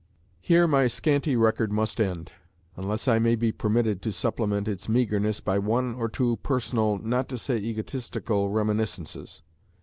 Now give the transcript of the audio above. Here my scanty record must end, unless I may be permitted to supplement its meagreness by one or two personal not to say egotistical reminiscences.